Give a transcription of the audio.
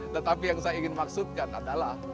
tetapi yang saya ingin maksudkan adalah